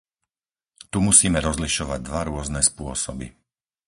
Tu musíme rozlišovať dva rôzne spôsoby.